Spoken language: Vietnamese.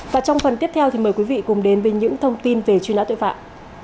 và trong phần tiếp theo thì mời quý vị cùng đến với những thông tin về truy nã tội phạm